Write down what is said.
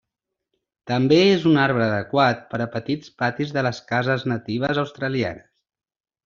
També és un arbre adequat per a petits patis de les cases natives australianes.